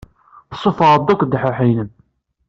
Tessuffɣeḍ-d akk ddḥuḥ-inem!